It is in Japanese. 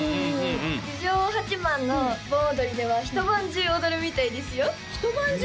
郡上八幡の盆踊りでは一晩中踊るみたいですよ一晩中？